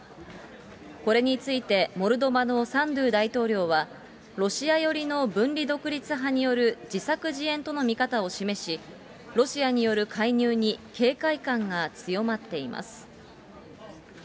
これについて、モルドバのサンドゥ大統領はロシア寄りの分離独立派による自作自演との見方を示し、ロシアによる介入に警戒感が強まっています。